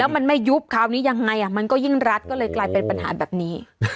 มันไม่ยุบคราวนี้ยังไงมันก็ยิ่งรัดก็เลยกลายเป็นปัญหาแบบนี้